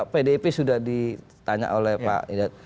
pdip sudah ditanya oleh pak hidayat